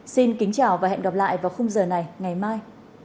xin kính chào và hẹn gặp lại vào khung giờ này ngày mai